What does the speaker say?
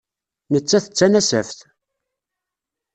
Nettat d tanasaft.